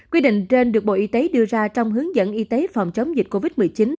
quy định trên được bộ y tế đưa ra trong hướng dẫn y tế phòng chống dịch covid một mươi chín